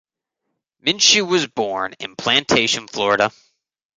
Minshew was born in Plantation, Florida.